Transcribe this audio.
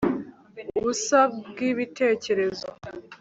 Ubusa bwibitekerezo